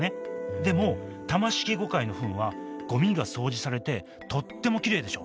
でもタマシキゴカイのフンはゴミが掃除されてとってもきれいでしょ？